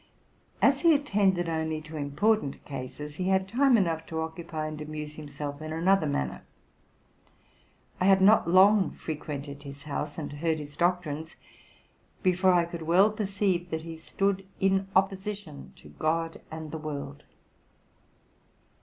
As he attended only to important cases, he had time enough to occupy and amuse himself in another manner. I had not long frequented his house, and heard his doctrines, before I could well perceive that he stood in opposition to God and the world.